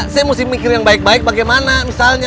saya mesti mikir yang baik baik bagaimana misalnya